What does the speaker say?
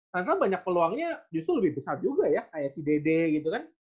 karena banyak peluangnya justru lebih besar juga ya kayak si dede gitu kan